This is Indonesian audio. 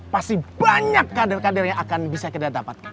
pasti banyak kader kader yang akan bisa kita dapatkan